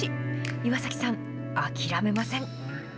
岩崎さん、諦めません。